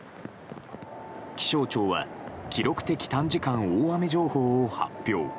気象庁は記録的短時間大雨情報を発表。